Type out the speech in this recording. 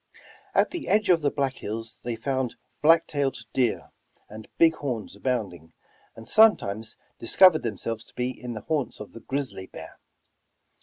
At the edge of the Black Hills they found black tailed deer and big horns abounding, and sometimes discovered themselves to be in the haunts of the grizzly bear.